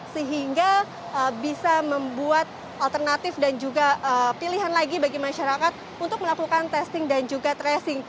sehingga bisa membuat alternatif dan juga pilihan lagi bagi masyarakat untuk melakukan testing dan juga tracing